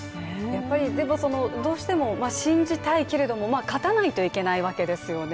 やっぱりどうしても、信じたいけれども勝たないといけないわけですよね。